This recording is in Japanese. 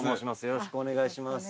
よろしくお願いします。